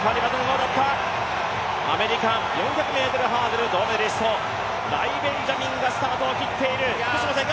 アメリカ、４００ｍハードル銅メダリストライ・ベンジャミンがスタートを切っている。